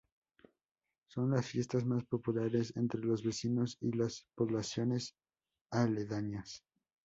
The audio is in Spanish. Son las fiestas más populares entre los vecinos y las poblaciones aledañas.